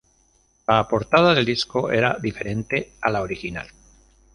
La portada del disco era diferente a la original.